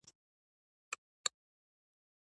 کله چې دوی ټول زاړه ډرایوونه کور ته راوړل